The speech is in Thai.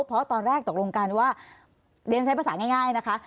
เพราะตอนแรกตกลงกันว่าเรียนใช้ภาษาง่ายนะคะ